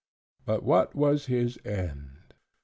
But what was his end?